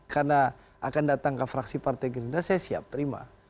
karena akan datang ke fraksi partai gerindra saya siap terima